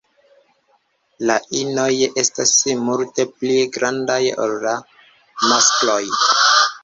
La inoj estas multe pli grandaj ol la maskloj.